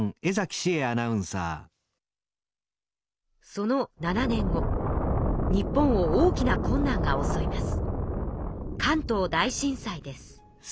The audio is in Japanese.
その７年後日本を大きな困難がおそいます。